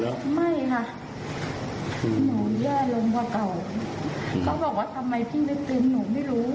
แล้วพวกพี่ก็ทิ้งหนูกัน